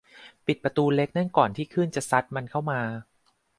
ปิดประตูเล็กนั่นก่อนที่คลื่นจะซัดมันเข้ามา